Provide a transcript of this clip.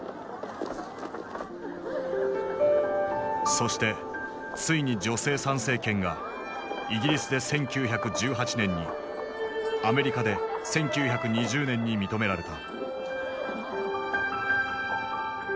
そしてついに女性参政権がイギリスで１９１８年にアメリカで１９２０年に認められた。